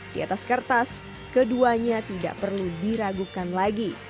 diatas kertas keduanya tidak perlu diragukan lagi